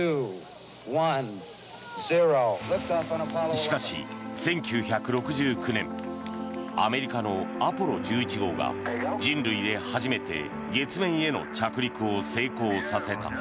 しかし、１９６９年アメリカのアポロ１１号が人類で初めて月面への着陸を成功させた。